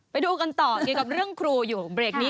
ไปดูกันต่อเกี่ยวกับเรื่องครูอยู่เบรกนี้